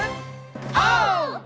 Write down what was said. オー！